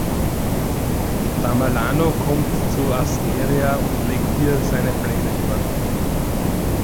Tamerlano kommt zu Asteria und legt ihr seine Pläne dar.